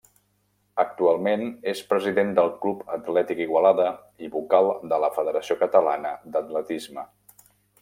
Actualment és president del Club Atlètic Igualada i vocal de la Federació Catalana d'Atletisme.